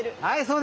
はい。